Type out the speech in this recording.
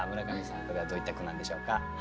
これはどういった句なんでしょうか？